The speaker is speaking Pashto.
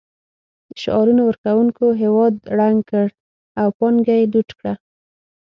د شعارونو ورکونکو هېواد ړنګ کړ او پانګه یې لوټ کړه